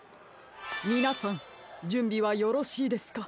みなさんじゅんびはよろしいですか？